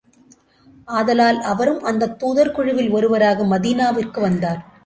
ஆதலால், அவரும் அந்தத் தூதர் குழுவில் ஒருவராக மதீனாவுக்கு வந்தார்.